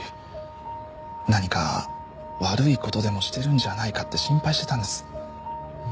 何か悪い事でもしてるんじゃないかって心配してたんです。